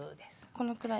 このくらい？